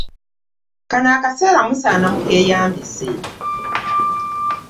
Kano akaseera musaana mukeeyambise.